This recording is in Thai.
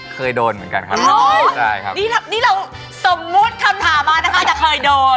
เคยโดนเหมือนกันครับนี่เราสมมุติคำถามมานะคะจะเคยโดน